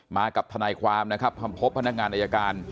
มากับทนายความนะครับคำพบพนักงานอายการ